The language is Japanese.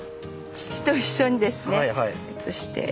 父と一緒にですね写して。